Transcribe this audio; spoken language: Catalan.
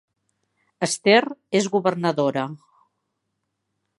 Esther és governadora